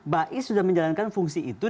bais sudah menjalankan fungsi itu